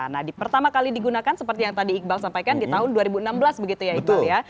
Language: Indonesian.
nah pertama kali digunakan seperti yang tadi iqbal sampaikan di tahun dua ribu enam belas begitu ya iqbal ya